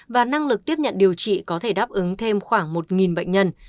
và năng lực tiếp nhận điều trị có thể đáp ứng thêm khoảng một bệnh nhân